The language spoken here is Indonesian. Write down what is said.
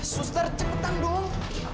suster cepetan dong